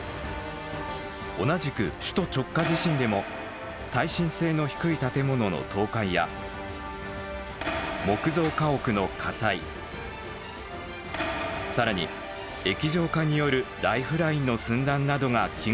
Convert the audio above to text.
同じく首都直下地震でも「耐震性の低い建物の倒壊」や「木造家屋の火災」更に「液状化によるライフラインの寸断」などが危惧されています。